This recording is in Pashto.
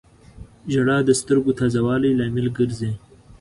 • ژړا د سترګو تازه والي لامل ګرځي.